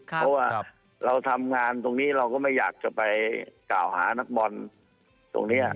เพราะว่าเราทำงานตรงนี้เราก็ไม่อยากจะไปกล่าวหานักบอลตรงนี้